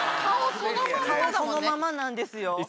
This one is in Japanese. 顔そのままなんですよ。